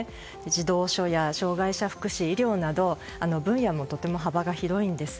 児童書や障害者福祉、医療など分野もとても幅が広いんです。